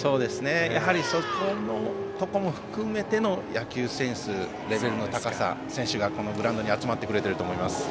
やはりそこのところも含めての野球センスレベルの高さ、選手がこのグラウンドに集まってくれていると思います。